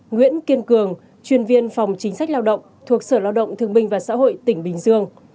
nguyễn kiên cường chuyên viên phòng chính sách lao động thuộc sở lao động thương minh và xã hội tỉnh bình dương